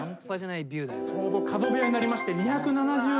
ちょうど角部屋になりまして２７０度。